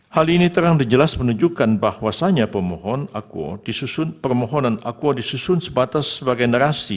hal ini terang dan jelas menunjukkan bahwasannya pemohon akuo disusun permohonan akuo disusun sebatas sebagai narasi